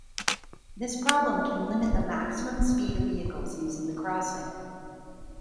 This problem can limit the maximum speed of vehicles using the crossing.